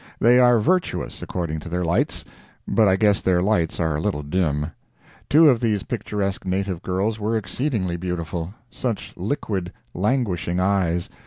They are virtuous according to their lights, but I guess their lights are a little dim. Two of these picturesque native girls were exceedingly beautiful—such liquid, languishing eyes!